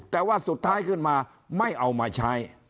แต่ว่าสุดท้ายขึ้นมาไม่เอามาใช้